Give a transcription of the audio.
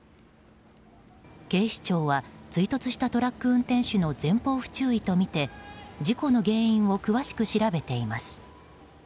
警視庁は追突したトラック運転手の前方不注意とみて事故の原因を詳しく調べています。